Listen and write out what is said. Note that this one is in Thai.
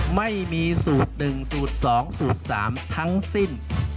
ไม่มีสูตร๑สูตร๒สูตร๓ทั้งสิ้น